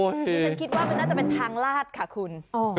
ดิฉันคิดว่ามันน่าจะเป็นทางลาดค่ะคุณ